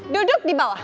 duduk di bawah